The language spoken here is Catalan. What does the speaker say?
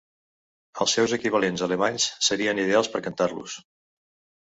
Els seus equivalents alemanys serien ideals per cantar-los.